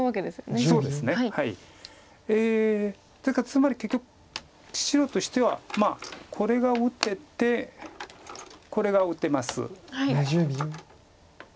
つまり結局白としてはこれが打ててこれが打てます。